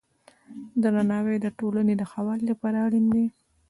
درناوی د ټولنې د ښه والي لپاره اړین دی.